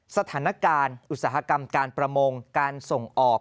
สถานการณ์อุตสาหกรรมการประมงการส่งออก